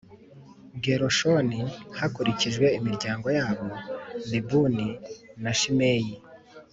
Gerushoni hakurikijwe imiryango yabo Libuni na Shimeyi